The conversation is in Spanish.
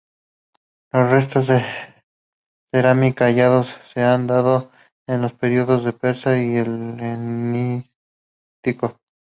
Los restos de cerámica hallados se han datado en los periodos persa y helenístico.